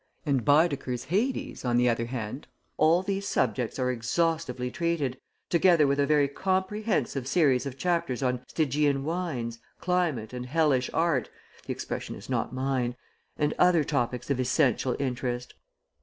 In Baedeker's Hades, on the other hand, all these subjects are exhaustively treated, together with a very comprehensive series of chapters on "Stygian Wines," "Climate," and "Hellish Art" the expression is not mine and other topics of essential interest.